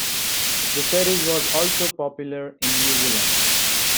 The series was also popular in New Zealand.